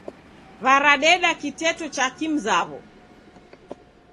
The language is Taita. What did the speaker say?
W'aradeda kiteto cha kimzaw'o.